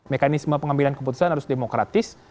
mekanisme pengambilan keputusan harus demokratis